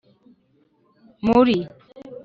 muri